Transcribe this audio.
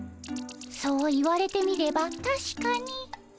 そう言われてみればたしかに。